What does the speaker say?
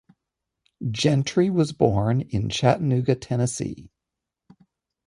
Gentry was born in Chattanooga, Tennessee.